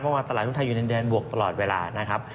เพราะว่าตลาดหุ้นไทยอยู่ในแดนบวกตลอดเวลานะครับ